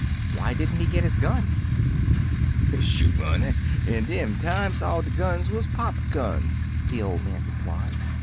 "Why did n't he get his gun?" "Shoo, honey! in dem times all de guns wuz pop guns/' the old man replied.